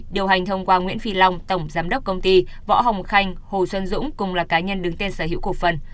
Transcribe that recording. điều hành thông qua nguyễn phi long tổng giám đốc công ty võ hồng khanh hồ xuân dũng cùng là cá nhân đứng tên sở hữu cổ phần